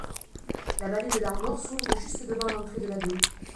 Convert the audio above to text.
La vallée de Larmor s'ouvre juste devant l'entrée de la baie.